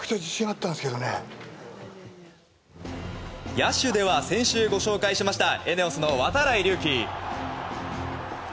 野手では、先週ご紹介したＥＮＥＯＳの度会隆輝。